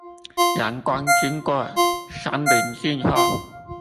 陽光經過三稜鏡後